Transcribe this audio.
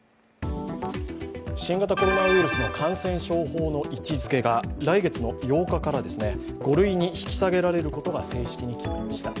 新型コロナウイルスの感染症法の位置づけが来月の８日から５類に引き下げられることが正式に決まりました。